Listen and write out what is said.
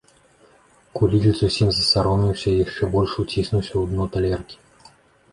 Куліч зусім засаромеўся і яшчэ больш уціснуўся ў дно талеркі.